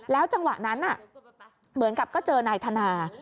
จังหวะนั้นเหมือนกับก็เจอนายธนา